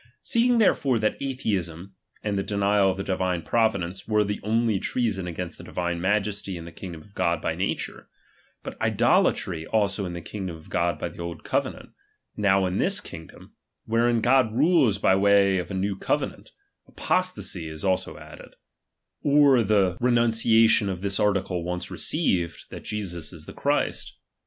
Seeing therefore that atheism, and the denial of the Divine Providence, were the only treason against the Divine Majesty in the kingdom of God by nature ; but idolatry also in the kingdom of God by the old covenant ; now in this kingdom, wherein God rules by way of a new covenant, apostacy is also added, or the renuncia CHAP.Wni 314 RELIGION. 11 tiou of this article once received, that Jesus is the Christ.